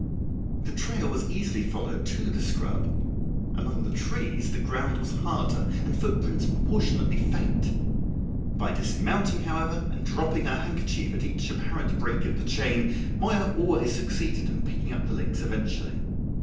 The trail was easily followed to the scrub: among the trees the ground was harder and footprints proportionately faint. By dismounting, however, and dropping her handkerchief at each apparent break of the chain, Moya always succeeded in picking up the links eventually.